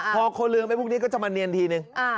พอคนลืมพวกนี้ก็จะมาเนียนทีหนึ่ง